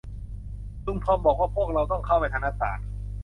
ลุงทอมบอกว่าพวกเราต้องเข้าไปทางหน้าต่าง